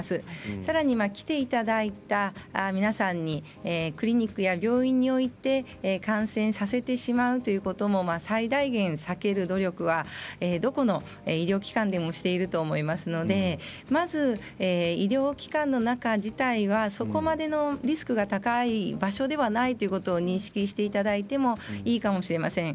さらに来ていただいた皆さんにクリニックや病院に行って感染させてしまうということも最大限、避ける努力はどこの医療機関でもしていると思いますのでまず医療機関の中自体はそこまでのリスクが高い場所ではないということを認識していただいてもいいかもしれません。